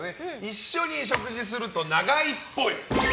一緒に食事すると長いっぽい。